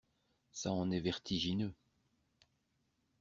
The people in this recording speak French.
Ça en est vertigineux.